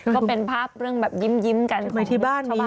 ก็เป็นภาพเรื่องแบบยิ้มกันไปที่บ้าน